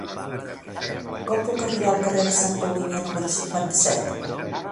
Com puc arribar al carrer de Santa Olívia número cinquanta-set?